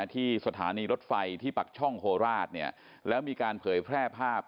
ที่สถานีรถไฟที่ปักช่องโคราชเนี่ยแล้วมีการเผยแพร่ภาพ